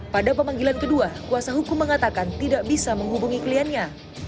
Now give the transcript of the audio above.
pada pemanggilan kedua kuasa hukum mengatakan tidak bisa menghubungi kliennya